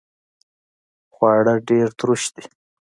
خواړه ډیر تروش دي